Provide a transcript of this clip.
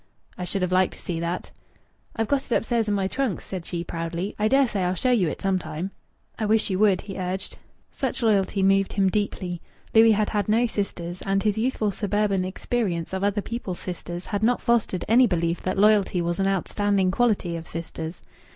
"I should have liked to see that." "I've got it upstairs in my trunk," said she proudly. "I dare say I'll show you it some time." "I wish you would," he urged. Such loyalty moved him deeply. Louis had had no sisters, and his youthful suburban experience of other people's sisters had not fostered any belief that loyalty was an outstanding quality of sisters.